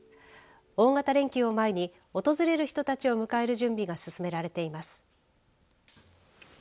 大型連休を前に訪れる人たちを迎える準備が進められています。